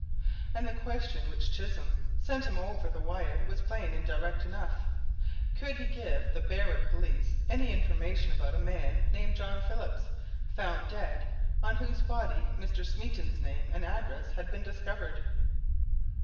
And the question which Chisholm sent him over the wire was plain and direct enough: Could he give the Berwick police any information about a man named John Phillips, found dead, on whose body Mr. Smeaton's name and address had been discovered?